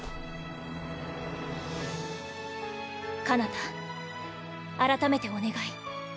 かなた改めてお願い。